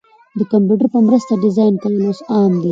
د کمپیوټر په مرسته ډیزاین کول اوس عام دي.